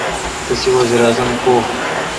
تسے° وزیر اعظم کو° ؟